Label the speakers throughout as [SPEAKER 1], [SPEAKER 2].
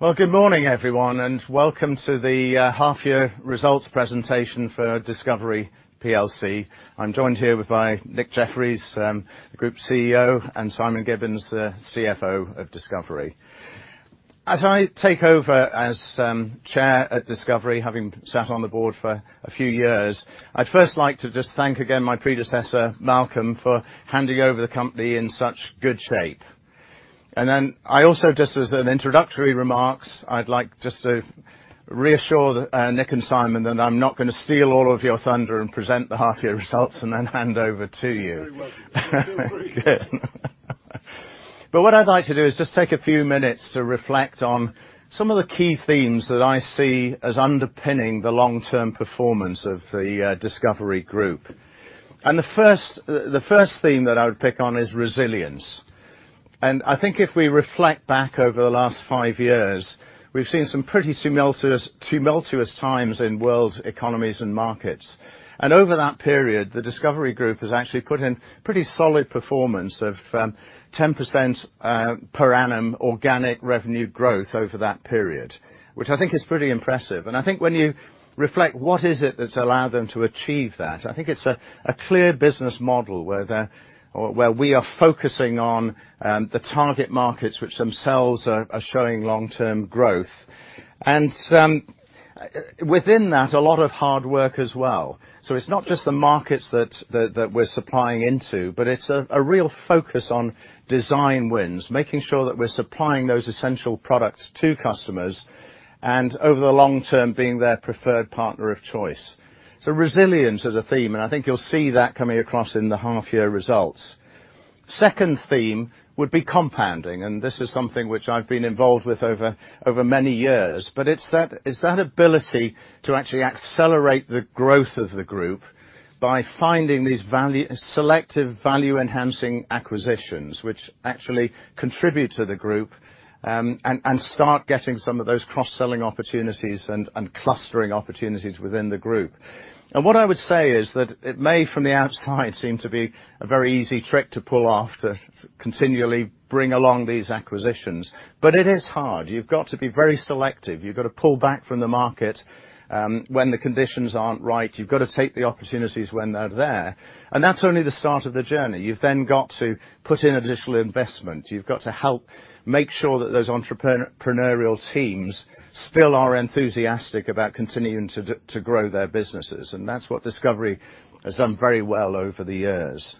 [SPEAKER 1] Well, good morning, everyone, and welcome to the half year results presentation for discoverIE Group plc. I'm joined here by Nick Jefferies, Group Chief Executive, and Simon Gibbins, Group Finance Director of discoverIE. As I take over as Chair at discoverIE, having sat on the board for a few years, I'd first like to just thank again my predecessor, Malcolm, for handing over the company in such good shape. I also, just as an introductory remarks, I'd like just to reassure Nick and Simon that I'm not gonna steal all of your thunder and present the half year results and then hand over to you.
[SPEAKER 2] You're very welcome.
[SPEAKER 1] Good. What I'd like to do is just take a few minutes to reflect on some of the key themes that I see as underpinning the long-term performance of the discoverIE group. The first theme that I would pick on is resilience. I think if we reflect back over the last five years, we've seen some pretty tumultuous times in world economies and markets. Over that period, the discoverIE group has actually put in pretty solid performance of 10% per annum organic revenue growth over that period, which I think is pretty impressive. I think when you reflect what is it that's allowed them to achieve that, I think it's a clear business model where we are focusing on the target markets which themselves are showing long-term growth. Some, within that, a lot of hard work as well. It's not just the markets that we're supplying into, but it's a real focus on design wins, making sure that we're supplying those essential products to customers and over the long term, being their preferred partner of choice. Resilience is a theme, and I think you'll see that coming across in the half year results. Second theme would be compounding. This is something which I've been involved with over many years, but it's that ability to actually accelerate the growth of the group by finding these selective value-enhancing acquisitions, which actually contribute to the group, and start getting some of those cross-selling opportunities and clustering opportunities within the group. What I would say is that it may, from the outside, seem to be a very easy trick to pull off, to continually bring along these acquisitions, but it is hard. You've got to be very selective. You've got to pull back from the market when the conditions aren't right. You've got to take the opportunities when they're there. That's only the start of the journey. You've then got to put in additional investment. You've got to help make sure that those entrepreneurial teams still are enthusiastic about continuing to grow their businesses. That's what discoverIE has done very well over the years.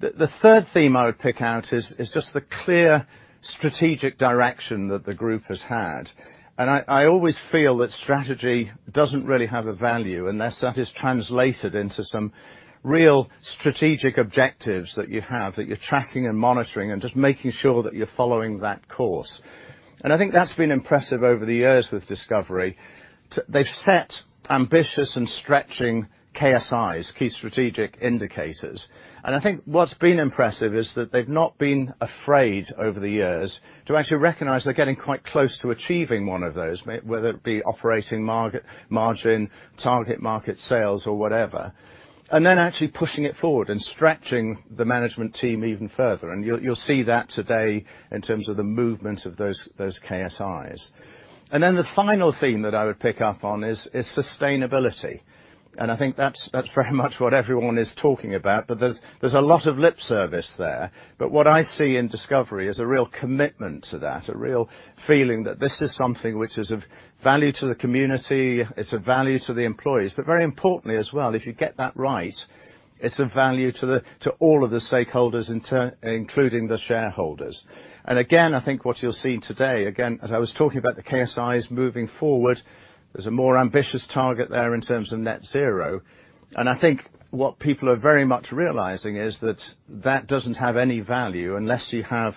[SPEAKER 1] The third theme I would pick out is just the clear strategic direction that the group has had. I always feel that strategy doesn't really have a value unless that is translated into some real strategic objectives that you have, that you're tracking and monitoring and just making sure that you're following that course. I think that's been impressive over the years with discoverIE. They've set ambitious and stretching KSIs, key strategic indicators. I think what's been impressive is that they've not been afraid over the years to actually recognize they're getting quite close to achieving one of those, whether it be operating margin, target market sales or whatever, and then actually pushing it forward and stretching the management team even further. You'll see that today in terms of the movement of those KSIs. The final theme that I would pick up on is sustainability. I think that's very much what everyone is talking about, but there's a lot of lip service there. What I see in discoverIE is a real commitment to that, a real feeling that this is something which is of value to the community, it's of value to the employees, but very importantly as well, if you get that right, it's of value to all of the stakeholders, including the shareholders. Again, I think what you'll see today, again, as I was talking about the KSIs moving forward, there's a more ambitious target there in terms of net zero. I think what people are very much realizing is that that doesn't have any value unless you have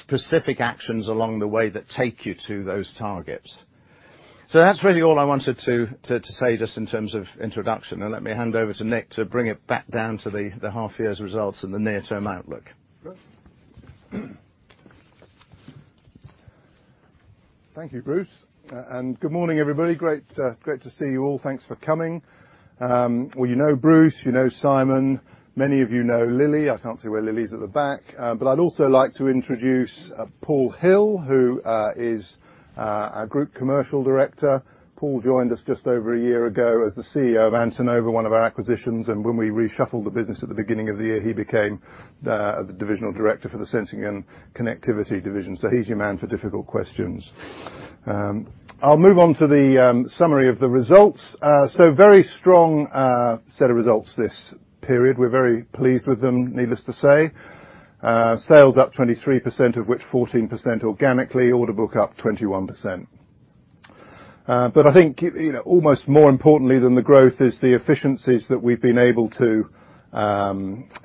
[SPEAKER 1] specific actions along the way that take you to those targets. That's really all I wanted to say just in terms of introduction. Now let me hand over to Nick to bring it back down to the half year's results and the near-term outlook.
[SPEAKER 2] Thank you, Bruce. Good morning, everybody. Great, great to see you all. Thanks for coming. Well, you know Bruce, you know Simon, many of you know Lily. I can't see where Lily is at the back. I'd also like to introduce Paul Hill, who is our Group Commercial Director. Paul joined us just over a year ago as the CEO of Antenova, one of our acquisitions. When we reshuffled the business at the beginning of the year, he became the Divisional Director for the Sensing & Connectivity division. He's your man for difficult questions. I'll move on to the summary of the results. Very strong, set of results this period. We're very pleased with them, needless to say. Sales up 23%, of which 14% organically, order book up 21%. I think, you know, almost more importantly than the growth is the efficiencies that we've been able to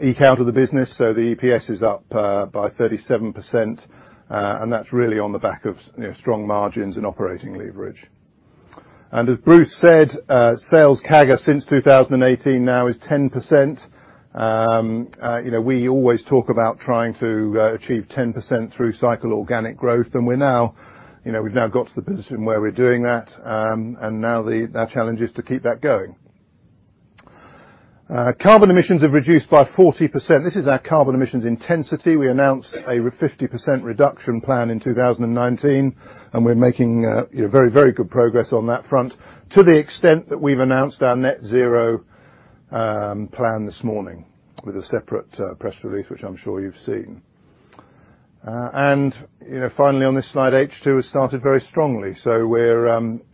[SPEAKER 2] eke out of the business. The EPS is up by 37%, and that's really on the back of, you know, strong margins and operating leverage. As Bruce said, sales CAGR since 2018 now is 10%. You know, we always talk about trying to achieve 10% through cycle organic growth. We're now, you know, we've now got to the position where we're doing that. Now the challenge is to keep that going. Carbon emissions have reduced by 40%. This is our carbon emissions intensity. We announced a 50% reduction plan in 2019, and we're making, you know, very, very good progress on that front to the extent that we've announced our net zero plan this morning with a separate press release, which I'm sure you've seen. You know, finally, on this slide, H2 has started very strongly. We're,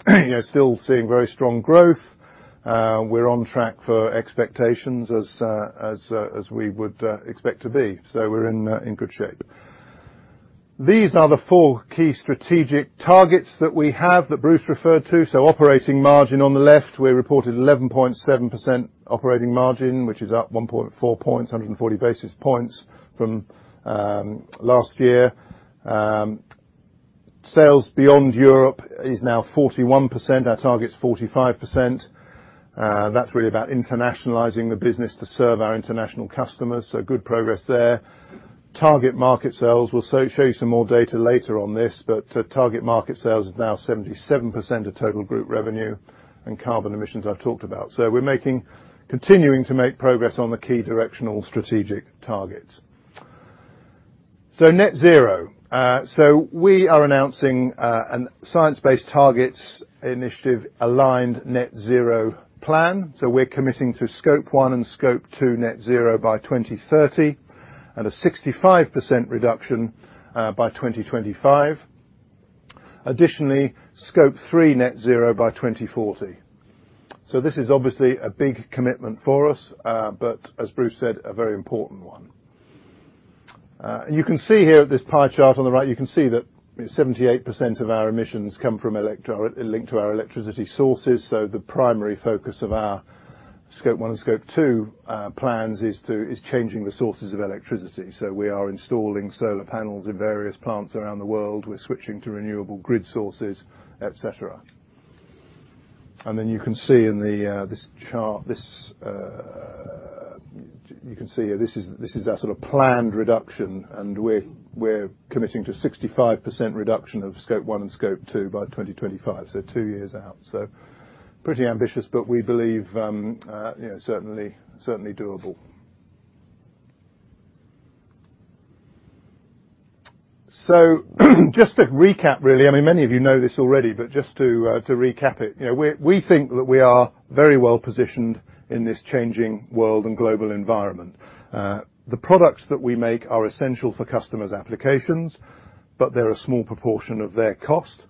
[SPEAKER 2] you know, still seeing very strong growth. We're on track for expectations as we would expect to be. We're in good shape. These are the four key strategic targets that we have that Bruce referred to. Operating margin on the left, we reported 11.7% operating margin, which is up 1.4 points, 140 basis points from last year. Sales beyond Europe is now 41%. Our target is 45%. That's really about internationalizing the business to serve our international customers. Good progress there. Target market sales. We'll show you some more data later on this, but target market sales is now 77% of total group revenue and carbon emissions I've talked about. We're continuing to make progress on the key directional strategic targets. Net zero. We are announcing an Science Based Targets initiative aligned net zero plan. We're committing to Scope 1 and Scope 2 net zero by 2030, and a 65% reduction by 2025. Additionally, Scope 3 net zero by 2040. This is obviously a big commitment for us, but as Bruce said, a very important one. You can see here at this pie chart on the right, you can see that 78% of our emissions come linked to our electricity sources. The primary focus of our Scope 1 and Scope 2 plans is changing the sources of electricity. We are installing solar panels in various plants around the world. We're switching to renewable grid sources, et cetera. You can see in this chart, you can see this is our sort of planned reduction, and we're committing to 65% reduction of Scope 1 and Scope 2 by 2025, so two years out. Pretty ambitious, but we believe, you know, certainly doable. Just to recap, really, I mean, many of you know this already, but just to recap it, you know, we think that we are very well positioned in this changing world and global environment. The products that we make are essential for customers' applications, but they're a small proportion of their cost.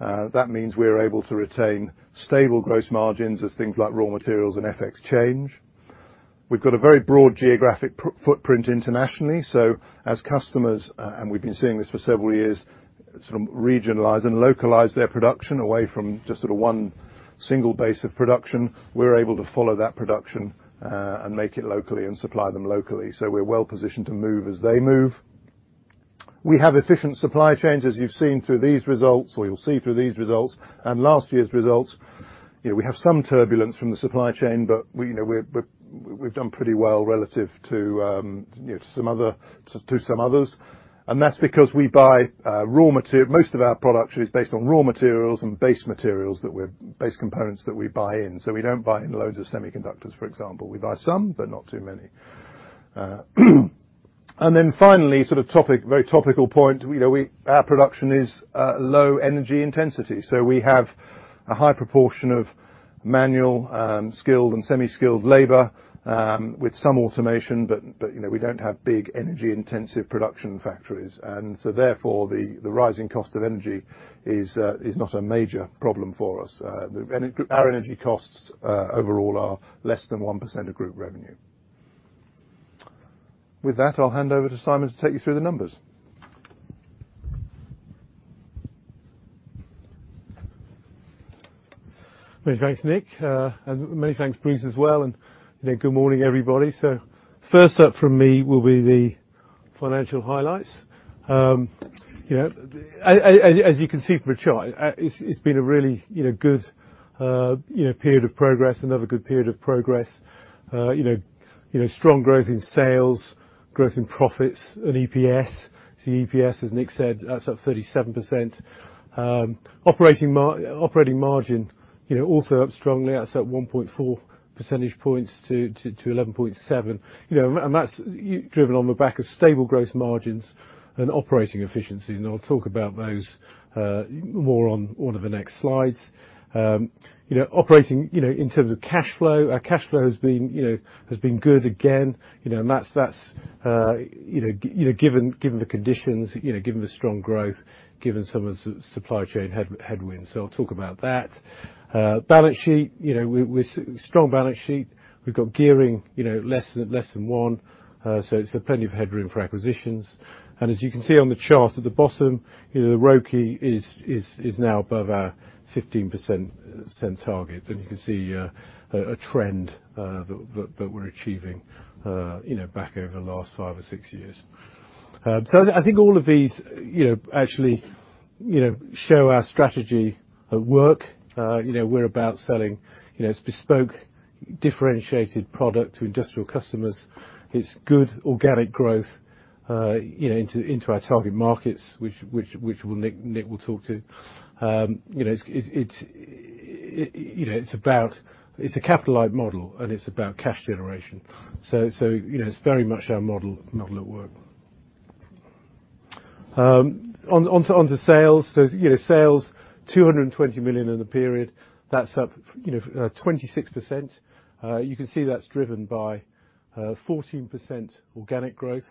[SPEAKER 2] That means we're able to retain stable gross margins as things like raw materials and FX change. We've got a very broad geographic footprint internationally. As customers, and we've been seeing this for several years, sort of regionalize and localize their production away from just sort of one single base of production, we're able to follow that production, and make it locally and supply them locally. We're well positioned to move as they move. We have efficient supply chains, as you've seen through these results, or you'll see through these results and last year's results. You know, we have some turbulence from the supply chain, but we, you know, we're, we've done pretty well relative to, you know, to some other, to some others. That's because we buy raw materials. Most of our product is based on raw materials and base materials base components that we buy in. We don't buy in loads of semiconductors, for example. We buy some, but not too many. Finally, sort of topic, very topical point, you know, we, our production is low energy intensity. We have a high proportion of manual, skilled and semi-skilled labor, with some automation, but, you know, we don't have big energy intensive production factories. Therefore, the rising cost of energy is not a major problem for us. Our energy costs overall are less than 1% of group revenue. With that, I'll hand over to Simon to take you through the numbers.
[SPEAKER 3] Many thanks, Nick. Many thanks, Bruce, as well. You know, good morning, everybody. First up from me will be the financial highlights. You know, as you can see from the chart, it's been a really, you know, good, you know, period of progress, another good period of progress. You know, strong growth in sales, growth in profits and EPS. EPS, as Nick said, that's up 37%. Operating margin, you know, also up strongly. That's up 1.4 percentage points to 11.7. You know, and that's driven on the back of stable gross margins and operating efficiencies. I'll talk about those more on one of the next slides. You know, operating, you know, in terms of cash flow, our cash flow has been good again. You know, that's, you know, given the conditions, you know, given the strong growth, given some of the supply chain headwinds. I'll talk about that. Balance sheet, you know, we're strong balance sheet. We've got gearing, you know, less than one, so it's plenty of headroom for acquisitions. As you can see on the chart at the bottom, you know, the ROIC is now above our 15% target. You can see a trend that we're achieving, you know, back over the last five or six years. I think all of these, you know, actually, you know, show our strategy at work. You know, we're about selling, you know, it's bespoke differentiated product to industrial customers. It's good organic growth, you know, into our target markets, which Nick will talk to. You know, it's, you know, it's about, it's a capitalized model, and it's about cash generation. You know, it's very much our model at work. On to sales. You know, sales 220 million in the period. That's up, you know, 26%. You can see that's driven by 14% organic growth.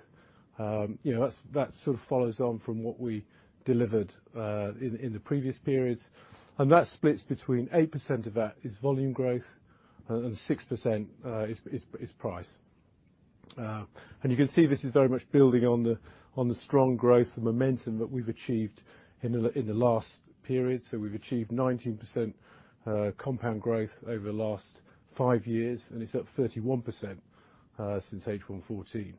[SPEAKER 3] You know, that's, that sort of follows on from what we delivered in the previous periods. That splits between 8% of that is volume growth and 6% is price. You can see this is very much building on the strong growth and momentum that we've achieved in the last period. We've achieved 19% compound growth over the last five years, and it's up 31% since H1 2014.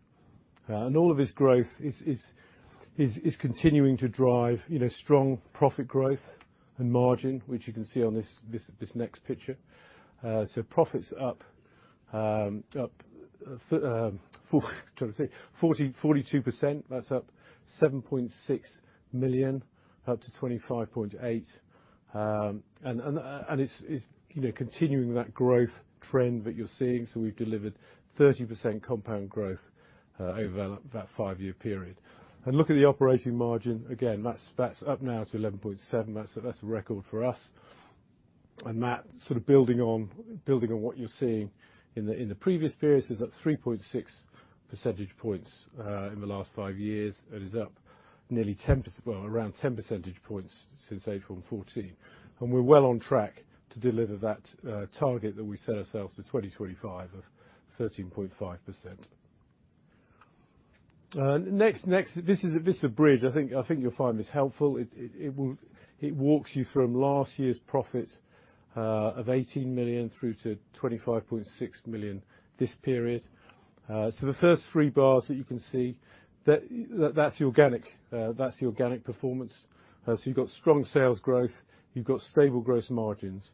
[SPEAKER 3] All of this growth is continuing to drive, you know, strong profit growth and margin, which you can see on this next picture. Profit's up 42%. That's up 7.6 million, up to 25.8 million. It's, you know, continuing that growth trend that you're seeing. We've delivered 30% compound growth over that five-year period. Look at the operating margin. Again, that's up now to 11.7%. That's a record for us. That sort of building on what you're seeing in the previous periods, is up 3.6 percentage points in the last five years, and is up nearly around 10 percentage points since H1 2014. We're well on track to deliver that target that we set ourselves to 2025 of 13.5%. Next, this is a bridge. I think you'll find this helpful. It will walk you from last year's profit of 18 million through to 25.6 million this period. The first three bars that you can see, that's the organic performance. You've got strong sales growth, you've got stable gross margins,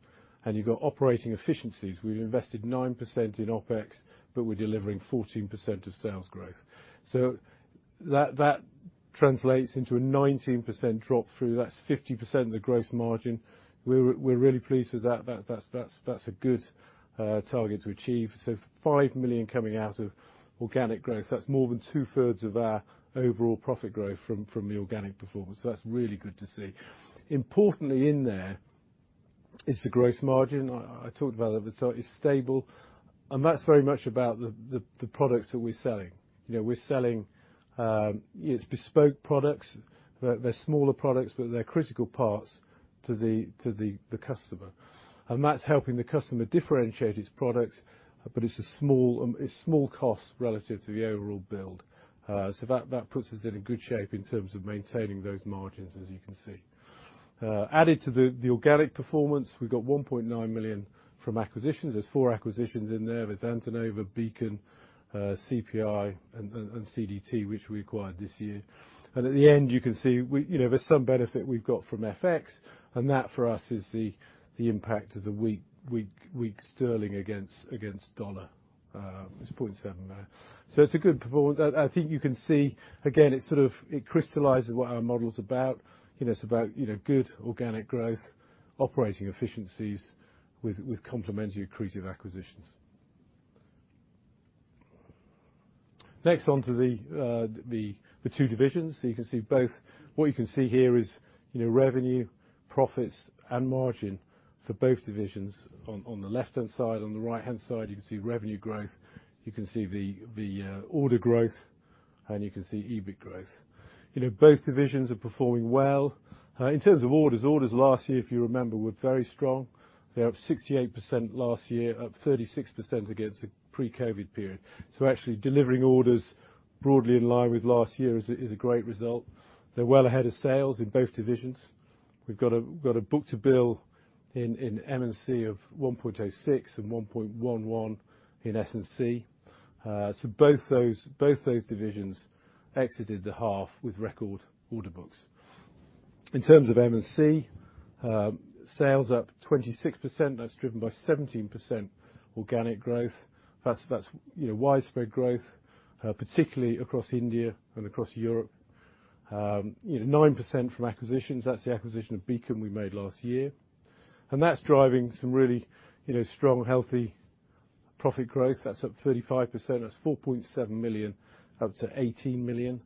[SPEAKER 3] and you've got operating efficiencies. We've invested 9% in OpEx, but we're delivering 14% of sales growth. That translates into a 19% drop through. That's 50% of the gross margin. We're really pleased with that. That's a good target to achieve. 5 million coming out of organic growth, that's more than two-thirds of our overall profit growth from the organic performance. That's really good to see. Importantly in there is the gross margin. I talked about that at the start. It's stable, and that's very much about the products that we're selling. You know, we're selling, it's bespoke products. They're smaller products, but they're critical parts to the customer. That's helping the customer differentiate its products, but it's small cost relative to the overall build. That puts us in a good shape in terms of maintaining those margins, as you can see. Added to the organic performance, we've got 1.9 million from acquisitions. There's four acquisitions in there. There's Antenova, Beacon, CPI and CDT, which we acquired this year. At the end, you can see we, you know, there's some benefit we've got from FX, and that for us is the impact of the weak sterling against dollar, as pointed out in there. It's a good performance. I think you can see again, it crystallizes what our model is about. You know, it's about good organic growth, operating efficiencies with complementary accretive acquisitions. Next, on to the two divisions. You can see both. What you can see here is, you know, revenue, profits, and margin for both divisions on the left-hand side. On the right-hand side, you can see revenue growth, you can see the order growth, and you can see EBIT growth. You know, both divisions are performing well. In terms of orders last year, if you remember, were very strong. They're up 68% last year, up 36% against the pre-COVID period. Actually delivering orders broadly in line with last year is a great result. They're well ahead of sales in both divisions. We've got a book-to-bill in M&C of 1.06 and 1.11 in S&C. Both those divisions exited the half with record order books. In terms of M&C, sales up 26%. That's driven by 17% organic growth. That's, you know, widespread growth, particularly across India and across Europe. You know, 9% from acquisitions. That's the acquisition of Beacon we made last year. That's driving some really, you know, strong, healthy profit growth. That's up 35%. That's 4.7 million, up to 18 million,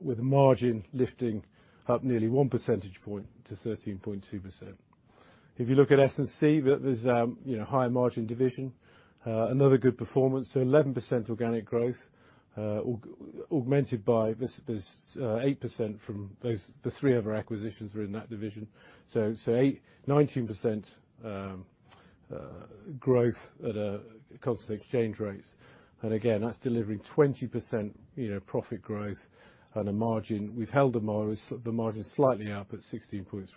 [SPEAKER 3] with margin lifting up nearly 1 percentage point to 13.2%. If you look at S&C, that is, you know, higher margin division, another good performance. Eleven percent organic growth, augmented by this, 8% from those, the three other acquisitions are in that division. Nineteen percent growth at a constant exchange rates. Again, that's delivering 20%, you know, profit growth and a margin. We've held so the margin's slightly up at 16.3%.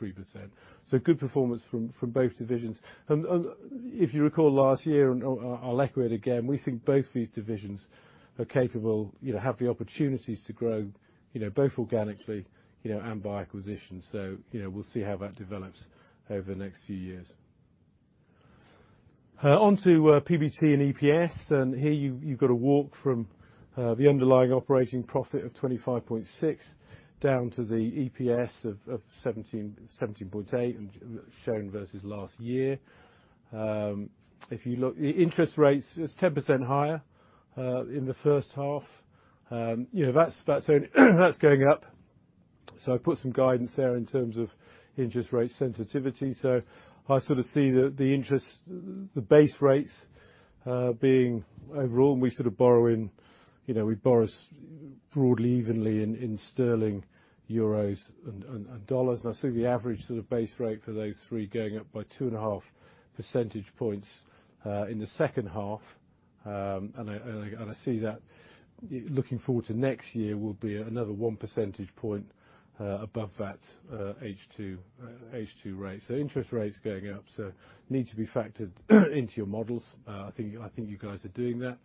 [SPEAKER 3] Good performance from both divisions. If you recall last year, I'll echo it again, we think both these divisions are capable, you know, have the opportunities to grow, you know, both organically, you know, and by acquisition. You know, we'll see how that develops over the next few years. On to PBT and EPS, and here you've got a walk from the underlying operating profit of 25.6 down to the EPS of 17.8 and shown versus last year. If you look, the interest rate is 10% higher in the first half. You know, that's going up. I put some guidance there in terms of interest rate sensitivity. I sort of see the base rates being overall, and we sort of borrow in, you know, we borrow broadly evenly in sterling, euros and, and dollars. I see the average sort of base rate for those three going up by 2.5 percentage points in the second half. I see that looking forward to next year will be another 1 percentage point above that H2 rate. Interest rate's going up, so need to be factored into your models. I think you guys are doing that.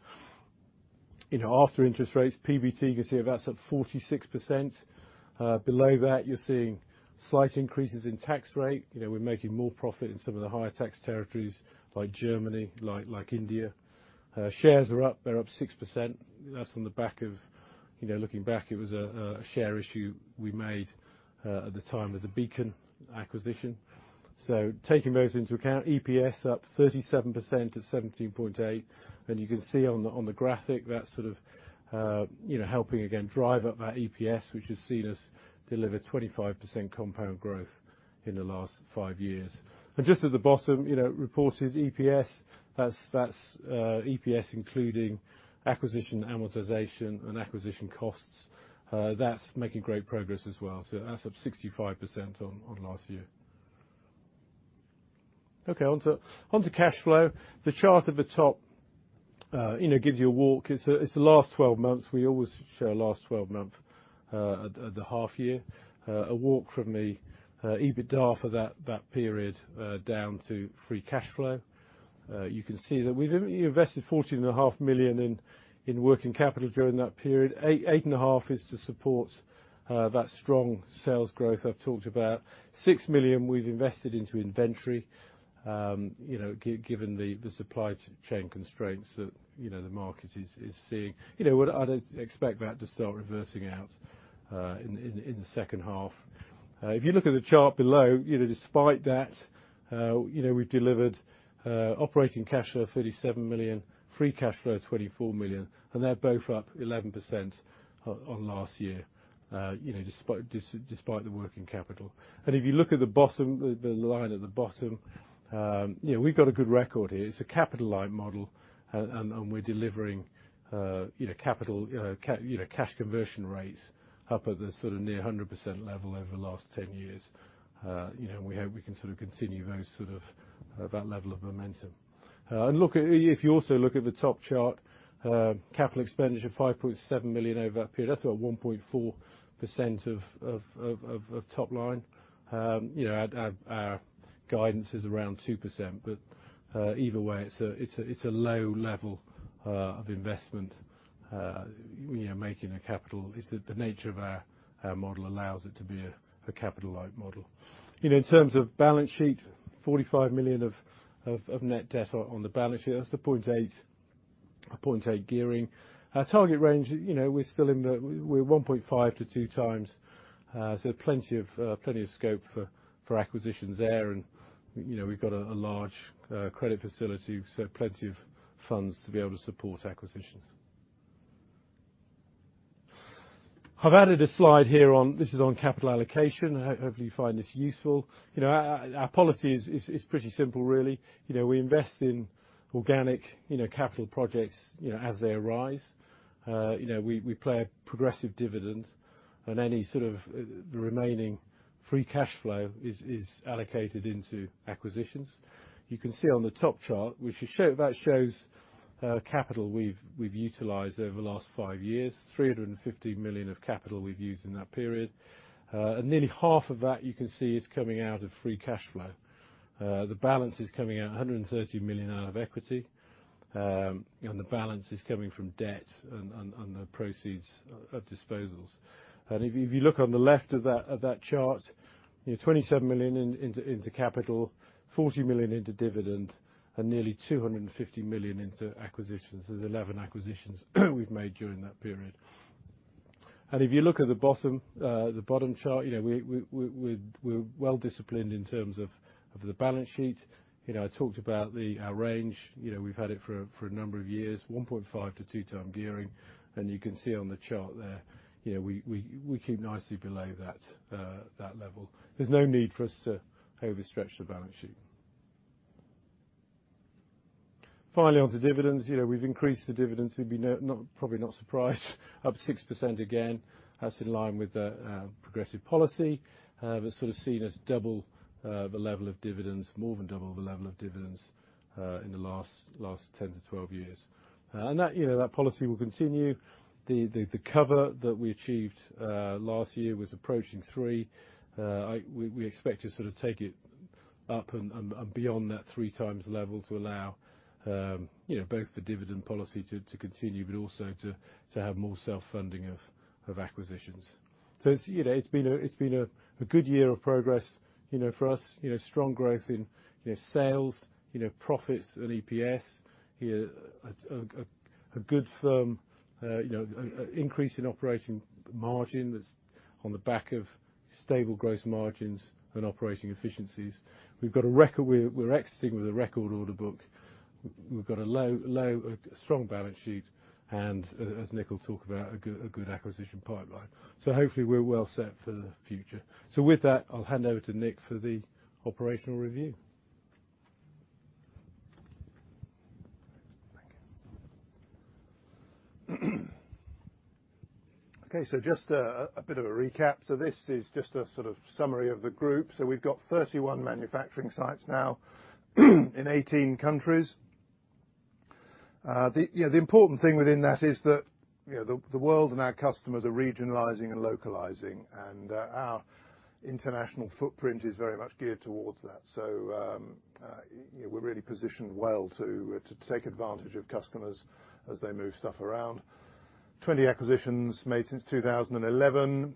[SPEAKER 3] You know, after interest rates, PBT, you can see that's up 46%. Below that you're seeing slight increases in tax rate. You know, we're making more profit in some of the higher tax territories like Germany, like India. Shares are up, they're up 6%. That's on the back of, you know, looking back, it was a share issue we made at the time of the Beacon acquisition. Taking those into account, EPS up 37% at 17.8. You can see on the graphic, that's sort of, you know, helping again drive up our EPS, which has seen us deliver 25% compound growth in the last five years. Just at the bottom, you know, reported EPS, that's EPS including acquisition amortization and acquisition costs. That's making great progress as well. That's up 65% on last year. Okay, on to cash flow. The chart at the top, you know, gives you a walk. It's the last 12 months. We always show last 12-month at the half year. A walk from the EBITDA for that period down to free cash flow. You can see that we've invested fourteen and a half million in working capital during that period. eight and a half million is to support that strong sales growth I've talked about. 6 million we've invested into inventory. You know, given the supply chain constraints that, you know, the market is seeing. You know, I'd expect that to start reversing out in the second half. If you look at the chart below, you know, despite that, we've delivered operating cash flow 37 million, free cash flow 24 million, and they're both up 11% on last year, you know, despite the working capital. If you look at the bottom, the line at the bottom, we've got a good record here. It's a capital light model and we're delivering capital cash conversion rates up at the sort of near 100% level over the last 10 years. We hope we can sort of continue those sort of that level of momentum. If you also look at the top chart, capital expenditure, 5.7 million over that period. That's about 1.4% of top line. you know, our guidance is around 2%, but either way, it's a low level of investment, you know, making a capital. The nature of our model allows it to be a capital light model. You know, in terms of balance sheet, 45 million of net debt on the balance sheet. That's a 0.8 gearing. Our target range, you know, we're 1.5 to two times, so plenty of scope for acquisitions there. you know, we've got a large credit facility, so plenty of funds to be able to support acquisitions. I've added a slide here on, this is on capital allocation. I hope, hopefully, you find this useful. You know, our policy is pretty simple really. You know, we invest in organic, you know, capital projects, you know, as they arise. You know, we pay a progressive dividend, and any sort of the remaining free cash flow is allocated into acquisitions. You can see on the top chart, which that shows capital we've utilized over the last five years. 350 million of capital we've used in that period. Nearly half of that, you can see, is coming out of free cash flow. The balance is coming at 130 million out of equity. The balance is coming from debt and the proceeds of disposals. If you look on the left of that chart, you know, 27 million into capital, 40 million into dividend, and nearly 250 million into acquisitions. There's 11 acquisitions we've made during that period. If you look at the bottom, the bottom chart, you know, we're well-disciplined in terms of the balance sheet. You know, I talked about our range. You know, we've had it for a number of years, 1.5-2 times gearing. You can see on the chart there, you know, we keep nicely below that level. There's no need for us to overstretch the balance sheet. Finally, onto dividends. You know, we've increased the dividends. You'd probably not surprised. Up 6% again. That's in line with the progressive policy. That's sort of seen us double the level of dividends, more than double the level of dividends in the last 10 to 12 years. That, you know, that policy will continue. The cover that we achieved last year was approaching three. We expect to sort of take it up and beyond that three times level to allow, you know, both the dividend policy to continue, but also to have more self-funding of acquisitions. It's, you know, it's been a good year of progress, you know, for us. You know, strong growth in, you know, sales, profits and EPS. You know, a good firm, you know, a increase in operating margin that's on the back of. Stable gross margins and operating efficiencies. We've got a record order book. We've got a strong balance sheet, and as Nick will talk about a good acquisition pipeline. Hopefully we're well set for the future. With that, I'll hand over to Nick for the operational review.
[SPEAKER 2] Okay. Just a bit of a recap. This is just a sort of summary of the group. We've got 31 manufacturing sites now in 18 countries. The you know, the important thing within that is that, you know, the world and our customers are regionalizing and localizing, and our international footprint is very much geared towards that. You know, we're really positioned well to take advantage of customers as they move stuff around. 20 acquisitions made since 2011.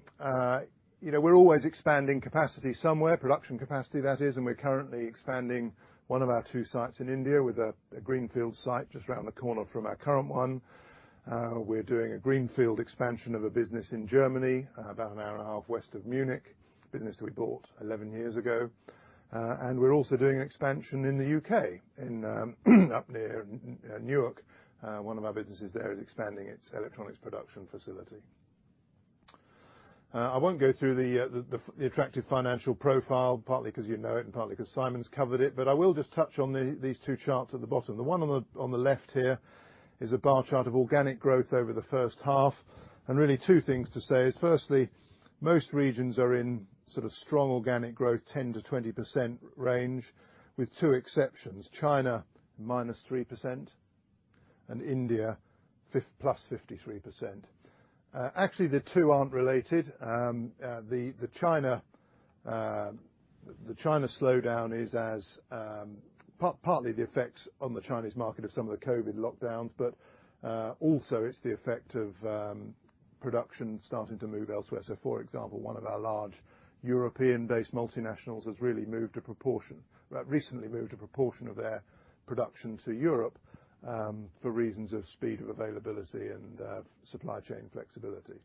[SPEAKER 2] You know, we're always expanding capacity somewhere, production capacity that is, and we're currently expanding one of our two sites in India with a greenfield site just around the corner from our current one. We're doing a greenfield expansion of a business in Germany, about an hour and a half west of Munich, a business that we bought 11 years ago. We're also doing expansion in the U.K. in, up near Newark. One of our businesses there is expanding its electronics production facility. I won't go through the attractive financial profile, partly 'cause you know it and partly 'cause Simon's covered it, but I will just touch on these two charts at the bottom. The one on the, on the left here is a bar chart of organic growth over the first half, and really two things to say is, firstly, most regions are in sort of strong organic growth, 10%-20% range, with two exceptions, China, -3%, and India, +53%. Actually, the two aren't related. The China slowdown is partly the effects on the Chinese market of some of the COVID lockdowns, but also it's the effect of production starting to move elsewhere. For example, one of our large European-based multinationals has really recently moved a proportion of their production to Europe, for reasons of speed, of availability, and supply chain flexibility.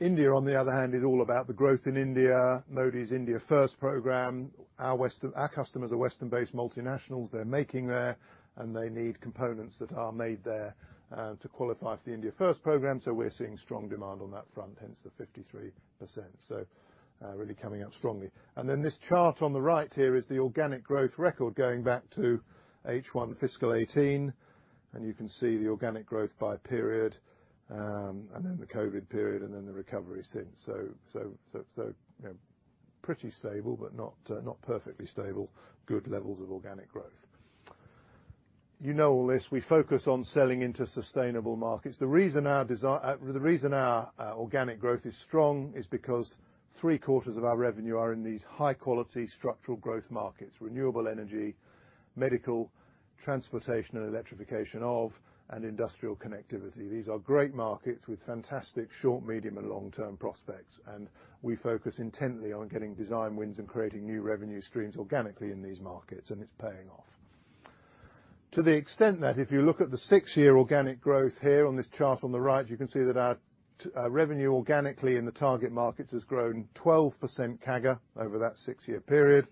[SPEAKER 2] India, on the other hand, is all about the growth in India, Modi's India First program. Our customers are Western-based multinationals. They're making there, and they need components that are made there to qualify for the India First program, so we're seeing strong demand on that front, hence the 53%. Really coming up strongly. This chart on the right here is the organic growth record going back to H1 fiscal 18, and you can see the organic growth by period, and then the COVID period and then the recovery since. You know, pretty stable, but not perfectly stable, good levels of organic growth. You know all this. We focus on selling into sustainable markets. The reason our organic growth is strong is because 3/4 of our revenue are in these high-quality structural growth markets: renewable energy, medical, transportation and electrification of, and industrial connectivity. These are great markets with fantastic short, medium, and long-term prospects. We focus intently on getting design wins and creating new revenue streams organically in these markets, and it's paying off. To the extent that if you look at the six-year organic growth here on this chart on the right, you can see that our revenue organically in the target markets has grown 12% CAGR over that six-year period,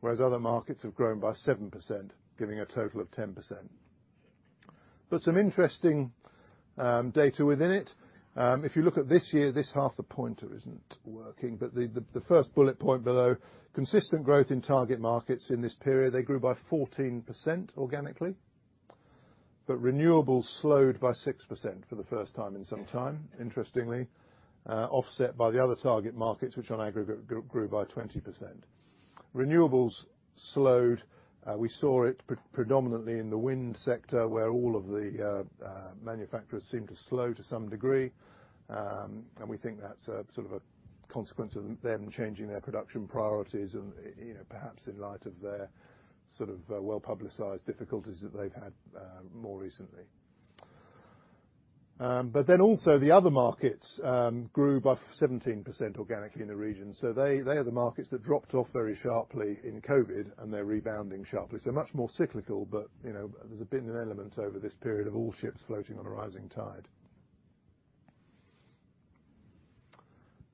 [SPEAKER 2] whereas other markets have grown by 7%, giving a total of 10%. Some interesting data within it. If you look at this year, this half the pointer isn't working. The first bullet point below, consistent growth in target markets in this period, they grew by 14% organically. Renewables slowed by 6% for the first time in some time, interestingly, offset by the other target markets, which on aggregate grew by 20%. Renewables slowed. We saw it predominantly in the wind sector, where all of the manufacturers seemed to slow to some degree. We think that's a, sort of a consequence of them changing their production priorities and, you know, perhaps in light of their sort of, well-publicized difficulties that they've had more recently. Also the other markets grew by 17% organically in the region. They, they are the markets that dropped off very sharply in COVID, and they're rebounding sharply. Much more cyclical, but you know, there's a been an element over this period of all ships floating on a rising tide.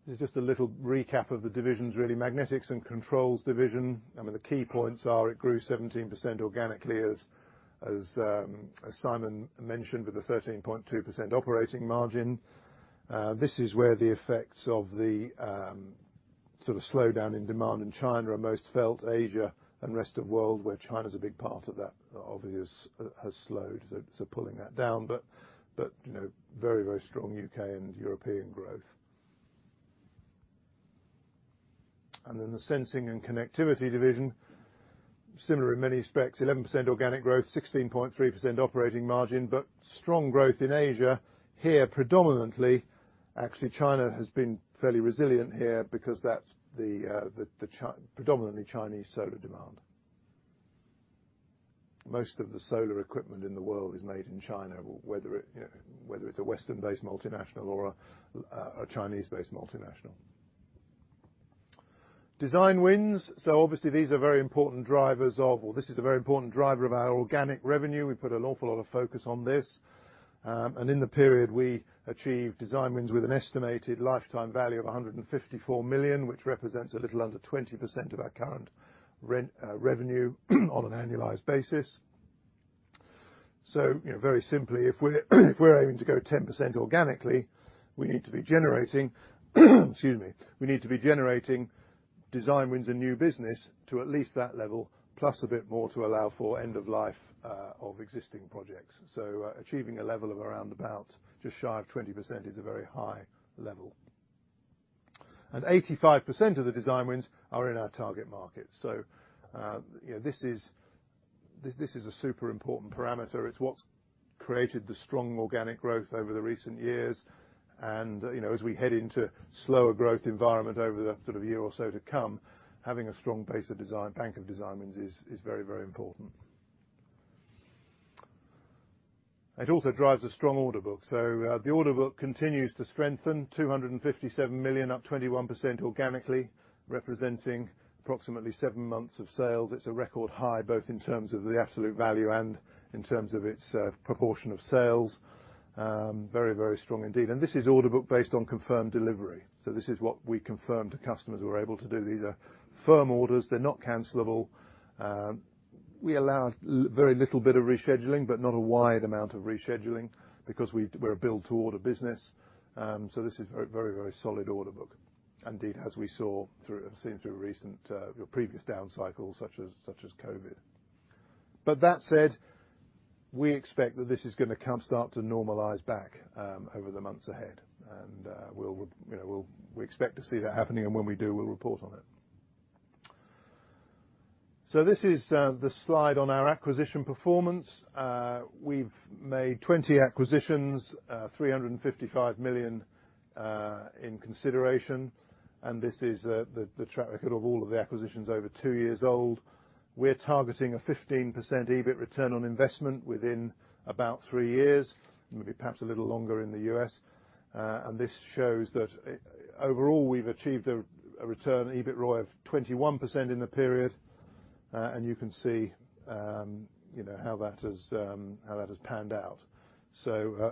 [SPEAKER 2] This is just a little recap of the divisions, really. Magnetics & Controls Division. I mean, the key points are it grew 17% organically as Simon mentioned, with a 13.2% operating margin. This is where the effects of the sort of slowdown in demand in China are most felt. Asia and rest of world, where China's a big part of that obvious, has slowed, so pulling that down. You know, very, very strong U.K. and European growth. The Sensing & Connectivity Division, similar in many respects. 11% organic growth, 16.3% operating margin, but strong growth in Asia. Here, predominantly, actually, China has been fairly resilient here because that's the predominantly Chinese solar demand. Most of the solar equipment in the world is made in China, whether it, you know, whether it's a Western-based multinational or a Chinese-based multinational. Design wins. Obviously this is a very important driver of our organic revenue. We put an awful lot of focus on this. In the period, we achieved design wins with an estimated lifetime value of 154 million, which represents a little under 20% of our current revenue on an annualized basis. You know, very simply, if we're aiming to go 10% organically, we need to be generating design wins and new business to at least that level, plus a bit more to allow for end of life of existing projects. Achieving a level of around about just shy of 20% is a very high level. 85% of the design wins are in our target market. You know, this is a super important parameter. It's what's created the strong organic growth over the recent years, and, you know, as we head into slower growth environment over the sort of year or so to come, having a strong base of bank of design wins is very important. It also drives a strong order book. The order book continues to strengthen 257 million, up 21% organically, representing approximately seven months of sales. It's a record high, both in terms of the absolute value and in terms of its proportion of sales. Very strong indeed. This is order book based on confirmed delivery. This is what we confirm to customers we're able to do. These are firm orders. They're not cancelable. We allow very little bit of rescheduling, but not a wide amount of rescheduling because we're a build-to-order business. This is very, very, very solid order book. Indeed, as we have seen through recent or previous down cycles, such as COVID. That said, we expect that this is gonna come start to normalize back over the months ahead. We'll, you know, we expect to see that happening, and when we do, we'll report on it. This is the slide on our acquisition performance. We've made 20 acquisitions, 355 million in consideration, and this is the track record of all of the acquisitions over two years old. We're targeting a 15% EBIT return on investment within about three years, maybe perhaps a little longer in the U.S. This shows that, overall, we've achieved a return, EBIT ROI of 21% in the period. You can see, you know, how that has panned out. You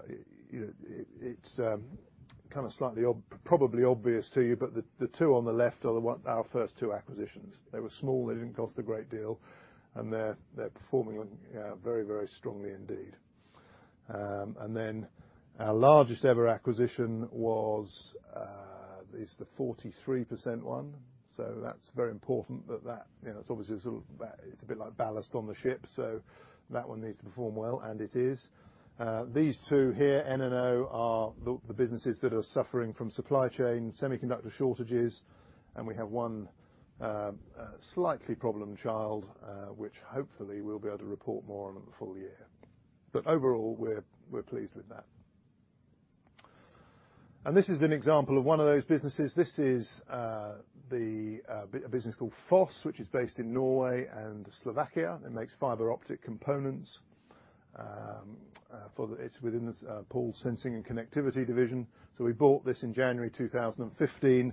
[SPEAKER 2] know, it's kind of slightly probably obvious to you, but the two on the left are our first two acquisitions. They were small, they didn't cost a great deal, and they're performing on, very, very strongly indeed. Our largest ever acquisition was, is the 43% one. That's very important that that, you know, it's obviously a sort of it's a bit like ballast on the ship. That one needs to perform well, and it is. These two here, NNO, are the businesses that are suffering from supply chain, semiconductor shortages. We have one, slightly problem child, which hopefully we'll be able to report more on in the full year. Overall, we're pleased with that. This is an example of one of those businesses. This is a business called Foss, which is based in Norway and Slovakia, that makes fiber optic components for the it's within the Sensing & Connectivity division. We bought this in January 2015.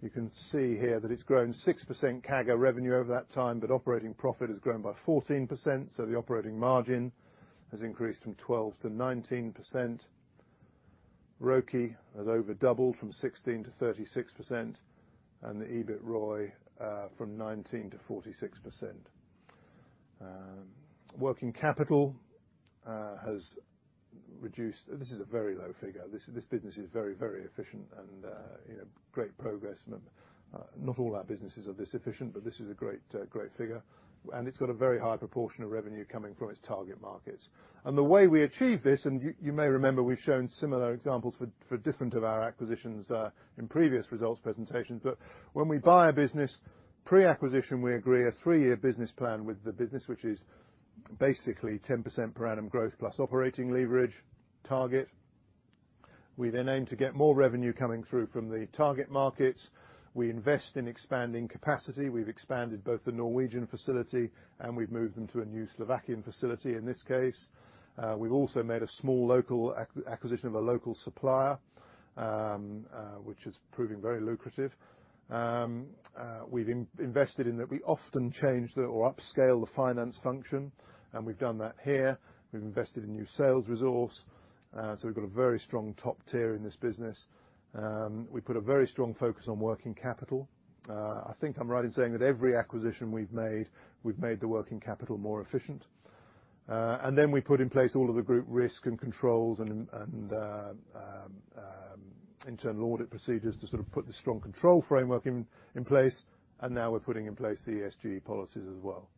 [SPEAKER 2] You can see here that it's grown 6% CAGR revenue over that time, but operating profit has grown by 14%. The operating margin has increased from 12%-19%. ROCE has over doubled from 16%-36%, and the EBIT ROI from 19%-46%. Working capital has reduced. This is a very low figure. This business is very, very efficient and, you know, great progress. Not all our businesses are this efficient, but this is a great figure. It's got a very high proportion of revenue coming from its target markets. The way we achieve this, and you may remember we've shown similar examples for different of our acquisitions, in previous results presentations. When we buy a business, pre-acquisition, we agree a three-year business plan with the business, which is basically 10% per annum growth plus operating leverage target. We aim to get more revenue coming through from the target markets. We invest in expanding capacity. We've expanded both the Norwegian facility, and we've moved them to a new Slovakian facility in this case. We've also made a small local acquisition of a local supplier, which is proving very lucrative. We've invested in that we often change or upscale the finance function, and we've done that here. We've invested in new sales resource, so we've got a very strong top tier in this business. We put a very strong focus on working capital. I think I'm right in saying that every acquisition we've made, we've made the working capital more efficient. Then we put in place all of the group risk and controls and internal audit procedures to sort of put the strong control framework in place. Now we're putting in place the ESG policies as well.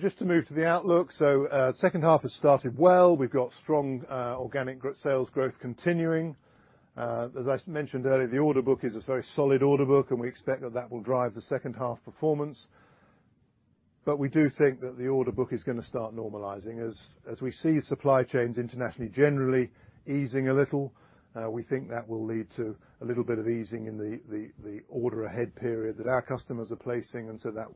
[SPEAKER 2] Just to move to the outlook. Second half has started well. We've got strong organic sales growth continuing. As I mentioned earlier, the order book is a very solid order book, and we expect that that will drive the second half performance. We do think that the order book is gonna start normalizing. As we see supply chains internationally generally easing a little, we think that will lead to a little bit of easing in the order ahead period that our customers are placing. That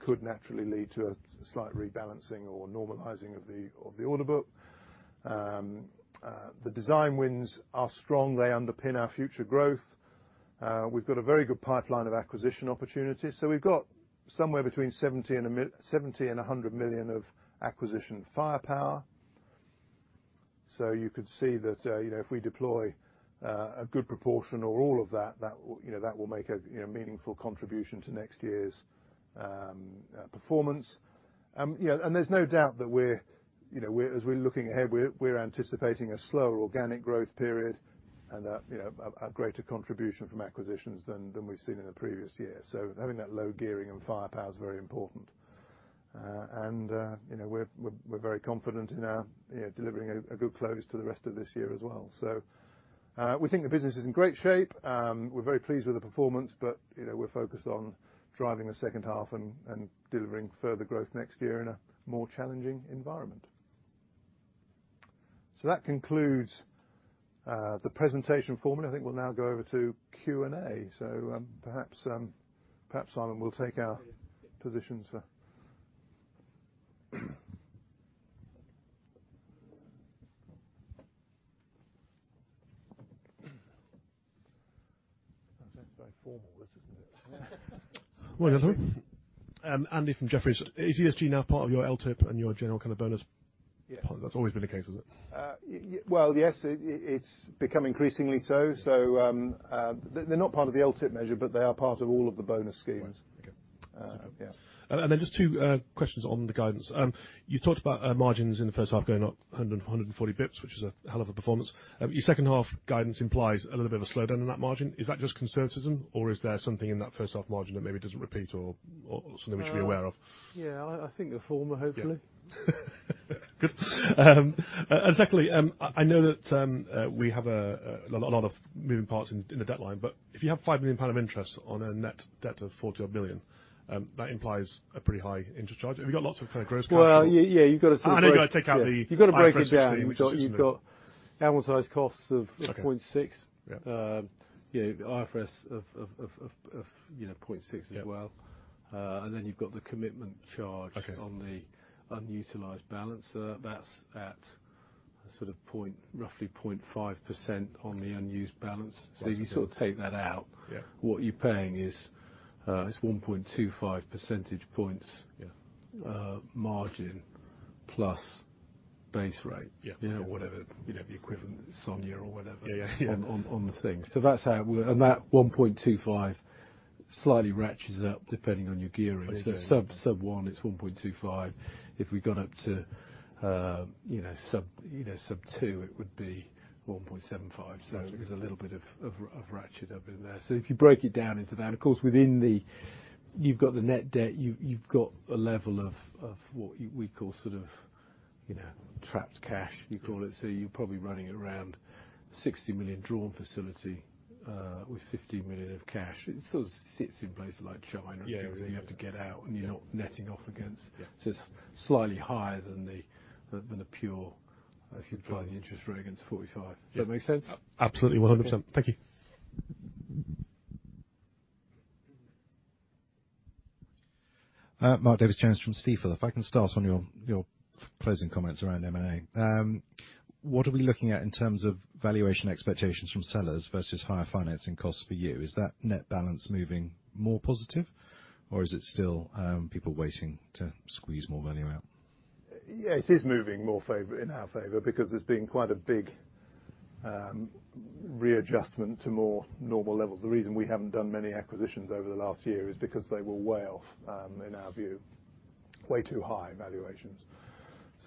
[SPEAKER 2] could naturally lead to a slight rebalancing or normalizing of the order book. The design wins are strong. They underpin our future growth. We've got a very good pipeline of acquisition opportunities. We've got somewhere between 70 million and 100 million of acquisition firepower. You could see that, you know, if we deploy a good proportion or all of that will, you know, that will make a, you know, meaningful contribution to next year's performance. Yeah, there's no doubt that we're, you know, as we're looking ahead, we're anticipating a slower organic growth period and a, you know, a greater contribution from acquisitions than we've seen in the previous year. Having that low gearing and firepower is very important. You know, we're very confident in our, you know, delivering a good close to the rest of this year as well. We think the business is in great shape. We're very pleased with the performance, but, you know, we're focused on driving the second half and delivering further growth next year in a more challenging environment. That concludes the presentation formally. I think we'll now go over to Q&A. Perhaps, Simon, we'll take our positions for.
[SPEAKER 3] That's very formal, this isn't it? Morning, Andy.
[SPEAKER 4] Andy from Jefferies. Is ESG now part of your LTIP and your general kind of bonus?
[SPEAKER 2] Yes.
[SPEAKER 4] That's always been the case, has it?
[SPEAKER 2] Well, yes, it's become increasingly so. They're not part of the LTIP measure, but they are part of all of the bonus schemes.
[SPEAKER 4] Right. Okay.
[SPEAKER 2] Yeah.
[SPEAKER 4] Then just two questions on the guidance. You talked about margins in the first half going up 140 basis points, which is a hell of a performance. Your second-half guidance implies a little bit of a slowdown in that margin. Is that just conservatism or is there something in that first half margin that maybe doesn't repeat or something we should be aware of?
[SPEAKER 3] Yeah, I think the former, hopefully.
[SPEAKER 4] Yeah. Good. Secondly, I know that we have a lot of moving parts in the debt line, but if you have 5 million pound of interest on a net debt of 40 odd million, that implies a pretty high interest charge. Have you got lots of kind of gross capital.
[SPEAKER 3] Well, yeah. You've got to sort of break.
[SPEAKER 4] You've got to take out the IFRS piece.
[SPEAKER 3] You've got to break it down. You've got amortized costs of 0.6.
[SPEAKER 4] Okay. Yeah.
[SPEAKER 3] You know, IFRS of, you know, 0.6 as well.
[SPEAKER 4] Yeah.
[SPEAKER 3] You've got the commitment charge.
[SPEAKER 4] Okay
[SPEAKER 3] On the unutilized balance. That's at sort of roughly 0.5% on the unused balance. As you sort of take that out.
[SPEAKER 4] Yeah
[SPEAKER 3] What you're paying is 1.25 percentage points.
[SPEAKER 4] Yeah
[SPEAKER 3] Margin plus base rate.
[SPEAKER 4] Yeah.
[SPEAKER 3] You know, whatever, you know, the equivalent SONIA or whatever.
[SPEAKER 4] Yeah, yeah
[SPEAKER 3] On the thing. That's how we. That 1.25 slightly ratchets up depending on your gearing.
[SPEAKER 4] It does, yeah.
[SPEAKER 3] Sub one, it's 1.25. If we got up to, you know, sub two, it would be 1.75.
[SPEAKER 4] Gotcha.
[SPEAKER 3] There's a little bit of ratchet up in there. If you break it down into that, of course, within the. You've got the net debt, you've got a level of what we call sort of, you know, trapped cash, we call it. You're probably running around 60 million drawn facility with 15 million of cash. It sort of sits in places like China and things.
[SPEAKER 4] Yeah, okay.
[SPEAKER 3] That you have to get out, and you're not netting off against.
[SPEAKER 4] Yeah.
[SPEAKER 3] It's slightly higher than the, than the pure, if you apply the interest rate against 45.
[SPEAKER 4] Yeah.
[SPEAKER 3] Does that make sense?
[SPEAKER 4] Absolutely, 100%.
[SPEAKER 3] Okay.
[SPEAKER 4] Thank you.
[SPEAKER 5] Mark Davies-Jones from Stifel. If I can start on your closing comments around M&A. What are we looking at in terms of valuation expectations from sellers versus higher financing costs for you? Is that net balance moving more positive, or is it still people waiting to squeeze more money out?
[SPEAKER 2] Yeah, it is moving more in our favor because there's been quite a big readjustment to more normal levels. The reason we haven't done many acquisitions over the last year is because they were way off in our view. Way too high valuations.